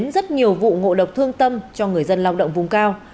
là thương tâm cho người dân lao động vùng cao